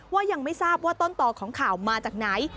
ยังไม่ทราบว่าต้นต่อของข่าวมาจากไหน